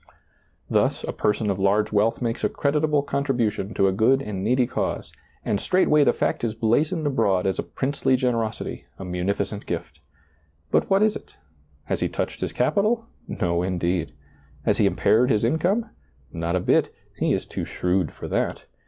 Thus, a person of large wealth makes a creditable contribution to a good and needy cause, and straightway the fact is blazoned abroad as a princely generosity, a munificent gift. But what is it ? Has he touched his capital ? No, indeed. Has he impaired his income ? Not a bit; he is too shrewd for that.